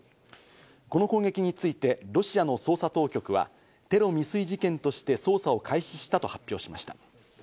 この攻撃についてロシアの捜査当局は、テロ未遂事件として捜査を開始したと発表しました。